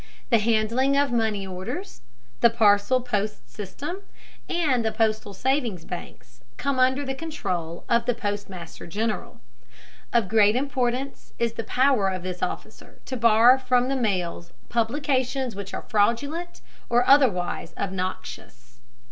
The handling of money orders, the parcels post system, and the postal savings banks come under the control of the Postmaster General. Of great importance is the power of this officer to bar from the mails publications which are fraudulent or otherwise obnoxious.